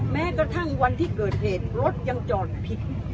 แม้กระทั่งวันที่เกิดเหตุรถยังจอดผิด